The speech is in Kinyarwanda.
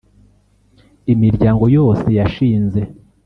imiryango yose yashinze,